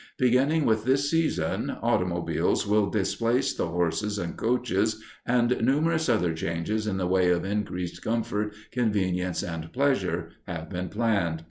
Beginning with this season, automobiles will displace the horses and coaches and numerous other changes in the way of increased comfort, convenience, and pleasure have been planned.